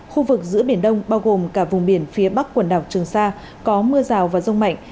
khu vực giữa biển đông bao gồm cả vùng biển phía bắc quần đảo trường sa có mưa rào và rông mạnh